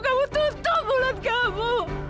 kamu tutup mulut kamu